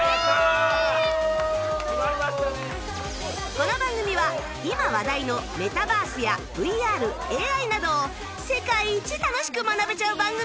この番組は今話題のメタバースや ＶＲＡＩ などを世界一楽しく学べちゃう番組！